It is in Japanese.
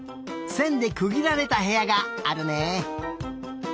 せんでくぎられたへやがあるね。